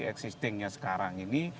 existingnya sekarang ini